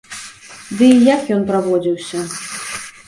Дый як ён праводзіўся?